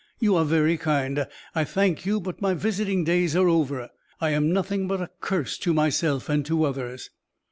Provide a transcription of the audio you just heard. "You are very kind. I thank you, but my visiting days are over. I am nothing but a curse to myself and to others."